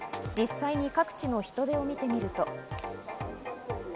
実際に各地の人出を見てみると。